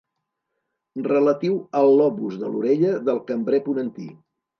Relatiu al lobus de l'orella del cambrer ponentí.